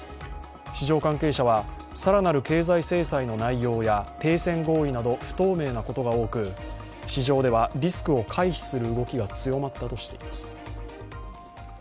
市場関係者は、更なる経済制裁の内容や停戦合意など不透明なことが多く市場ではリスクを回避する動きが強まったとしています。